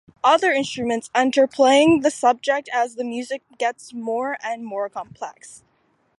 Other instruments enter playing the subject as the music gets more and more complex.